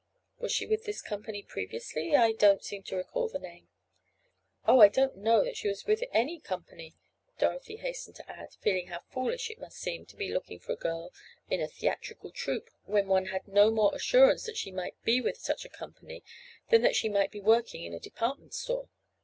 "Was she with this company previously? I don't seem to recall the name." "Oh, I don't know that she is with any company," Dorothy hastened to add, feeling how foolish it must seem to be looking for a girl in a theatrical troupe when one had no more assurance that she might be with such a company than that she might be working in a department store.